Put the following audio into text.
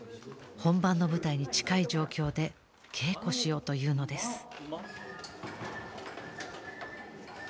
本番の舞台に近い状況で稽古しようというのです。